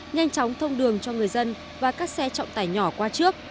nhanh chóng thông đường cho người dân và các xe trọng tải nhỏ qua trước